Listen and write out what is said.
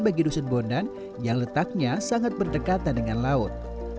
bagi dusun bondan yang letaknya sangat berdekatan dengan laut